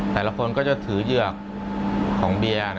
แต่ละคนก็จะถือเหยือกของเบียร์